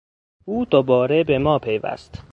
او دوباره به ماپیوست.